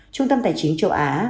trung tâm tài chính châu á